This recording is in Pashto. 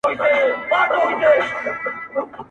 پرېږده جهاني دا د نیکه او د اباکیسې!.